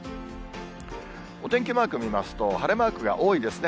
お天気マーク見ますと、晴れマークが多いですね。